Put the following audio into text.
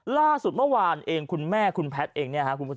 ล่าสุดเมื่อวานคุณแม่คุณแพทย์เอง